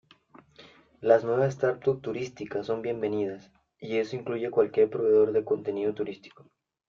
Las nuevas startups turísticas son bienvenidas, y eso incluye cualquier proveedor de contenido turístico.